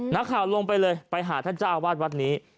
นักข่าวลงไปเลยไปหาท่านเจ้าอาวาสวัดนี้